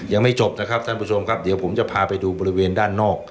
ยังไม่จบนะครับท่านผู้ชมครับเดี๋ยวผมจะพาไปดูบริเวณด้านนอก